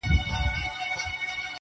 ویل ځوانه په امان سې له دښمنه،